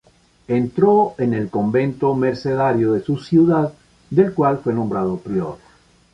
Entró en el convento mercedario de su ciudad, del cual fue nombrado prior.